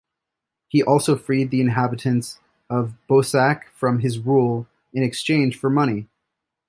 He also freed the inhabitants of Boussac from his rule, in exchange for money.